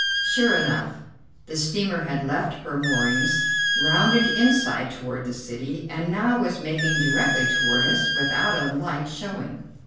Sure enough the steamer had left her moorings, rounded inside toward the city, and now was making directly toward us without a light showing.